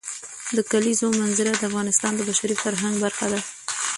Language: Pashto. د کلیزو منظره د افغانستان د بشري فرهنګ برخه ده.